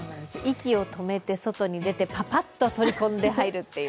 息を止めて外に出て、パパッと取り込んで入るという。